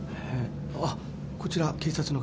あっこちら警察の方。